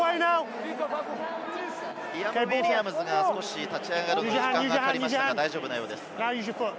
リアム・ウィリアムズが少し立ち上がるのに時間がかかりましたが、大丈夫なようです。